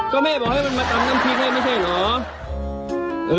ก็แม่บอกให้มันมาตำน้ำพริกให้ไม่ใช่เหรอ